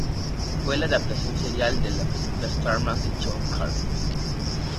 Fue la adaptación serial de la película Starman de John Carpenter.